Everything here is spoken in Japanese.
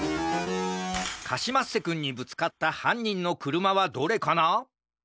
カシマッセくんにぶつかったはんにんのくるまはどれかな？